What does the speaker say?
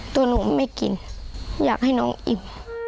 ตัวหนูไม่กินอยากให้น้องอิ่ม